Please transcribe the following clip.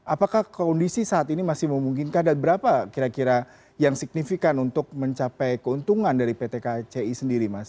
apakah kondisi saat ini masih memungkinkan dan berapa kira kira yang signifikan untuk mencapai keuntungan dari pt kci sendiri mas